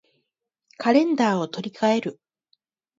カレンダーを取り換える